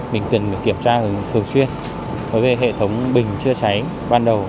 mình cần kiểm tra thường xuyên với hệ thống bình chữa cháy ban đầu